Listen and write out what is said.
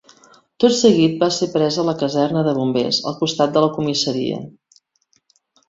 Tot seguit va ser presa la caserna de bombers, al costat de la comissaria.